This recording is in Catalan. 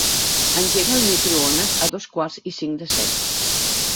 Engega el microones a dos quarts i cinc de set.